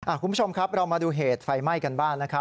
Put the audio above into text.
คุณผู้ชมครับเรามาดูเหตุไฟไหม้กันบ้างนะครับ